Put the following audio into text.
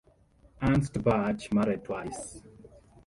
Ernst Bach married twice.